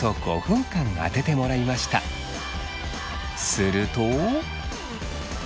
すると。